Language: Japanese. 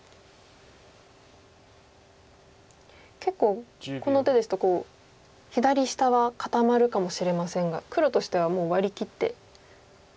結構この手ですと左下は固まるかもしれませんが黒としてはもう割り切って。